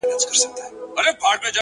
خدايه له بـهــاره روانــېــږمه.!